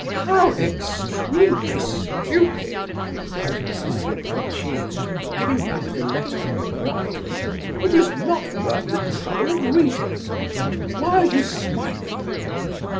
"How extremely stupid!" cried Mrs. Epanchin, giving back the letter abruptly. "It was not worth the trouble of reading. Why are you smiling?"